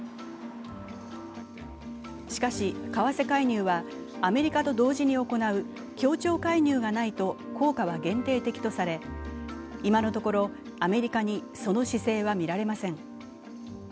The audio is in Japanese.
しかし、為替介入はアメリカと同時に行う協調介入がないと効果は限定的とされ今のところアメリカにその姿勢は見られません。